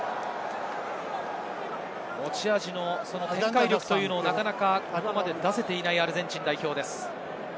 持ち味の破壊力をなかなかここまで出せていないアルゼンチンです。